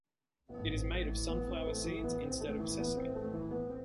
It is made of sunflower seeds instead of sesame.